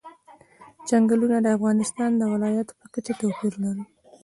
چنګلونه د افغانستان د ولایاتو په کچه توپیر لري.